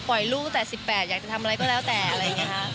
ลูกตั้งแต่๑๘อยากจะทำอะไรก็แล้วแต่อะไรอย่างนี้ค่ะ